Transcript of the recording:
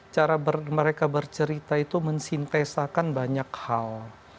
cara mereka bercerita itu mensintesakan banyak hal